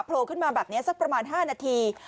โผล่ขึ้นมาแบบนี้สักประมาณ๕นาที